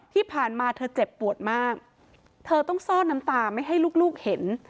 ที่ผ่านมาเธอเจ็บปวดมากเธอต้องซ่อนน้ำตาไม่ให้ลูกเห็น